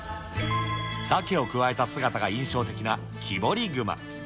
サケをくわえた姿が印象的な木彫り熊。